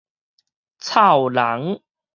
臭聾